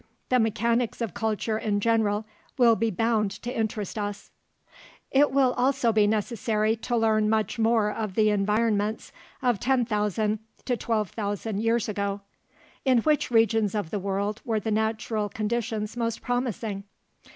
The "mechanics" of culture in general will be bound to interest us. It will also be necessary to learn much more of the environments of 10,000 to 12,000 years ago. In which regions of the world were the natural conditions most promising?